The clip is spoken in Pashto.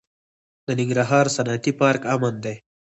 د ننګرهار صنعتي پارک امن دی؟